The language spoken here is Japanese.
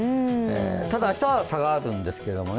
ただ、明日は下がるんですけどね。